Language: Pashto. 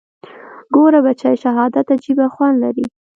ګوره بچى شهادت عجيبه خوند لري.